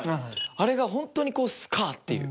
あれがホントにスカーっていう。